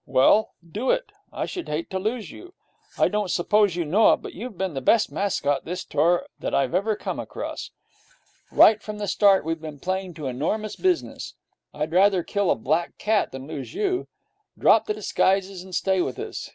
Well, do it, then. I should hate to lose you. I don't suppose you know it, but you've been the best mascot this tour that I've ever come across. Right from the start we've been playing to enormous business. I'd rather kill a black cat than lose you. Drop the disguises, and stay with us.